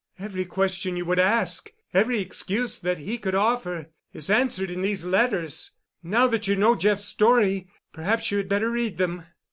"Every question you would ask, every excuse that he could offer, is answered in these letters. Now that you know Jeff's story perhaps you had better read them."